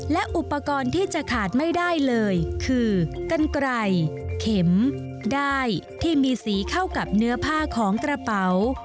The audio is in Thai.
และอุปกรณ์ที่จะขาดไม่ได้เลยคือกันไกรเข็มด้ายที่มีสีเข้ากับเนื้อผ้าของกระเป๋า